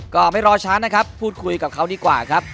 ก็ไม่รอช้านะครับพูดคุยกับเขาดีกว่าครับ